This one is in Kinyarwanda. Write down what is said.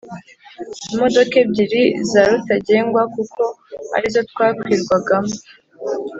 imodokaebyiri za rutagengwa kuko arizotwakwirwagamo.